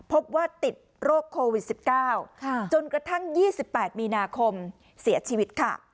พบว่าติดโรคโควิสสิบเก้าค่ะจนกระทั่งยี่สิบแปดมีหนาคมเสียชีวิตค่ะ